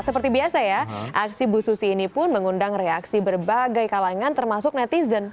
seperti biasa ya aksi bu susi ini pun mengundang reaksi berbagai kalangan termasuk netizen